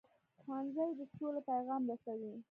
ښوونځی د سولې پیغام رسوي